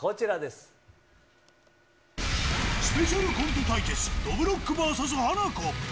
スペシャルコント対決、どぶろっくｖｓハナコ。